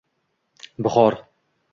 Bihor